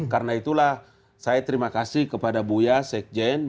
karena itulah saya terima kasih kepada buya sekjen